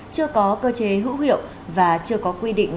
chưa có cơ chế hữu hiệu và chưa có quy định